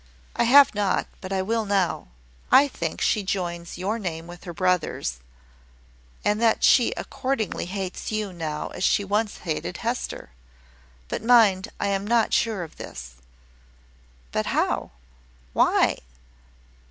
"I have not, but I will now. I think she joins your name with her brother's, and that she accordingly hates you now as she once hated Hester. But mind, I am not sure of this." "But how ? Why